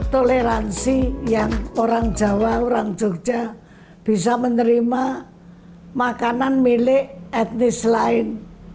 toleransi yang orang jawa orang jogja bisa menerima makanan milik etnis lain